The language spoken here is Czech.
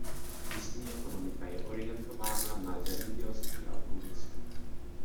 Místní ekonomika je orientována na zemědělství a průmysl.